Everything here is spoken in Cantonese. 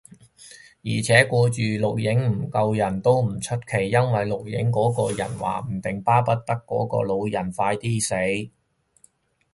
而且，顧住錄影唔救人，都唔出奇，因為錄影嗰個人話唔定巴不得嗰個老人快啲死